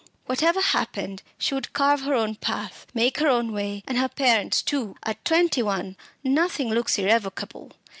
whatever happened, she would carve her path, make her own way, and her parents' too. At twenty one, nothing looks irrevocable.